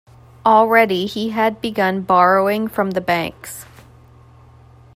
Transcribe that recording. Already he had begun borrowing from the banks.